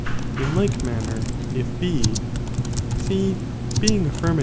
In like manner, if B, C, being aifirm